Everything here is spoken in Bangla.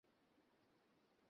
হে বাদশাহ মহোদয়!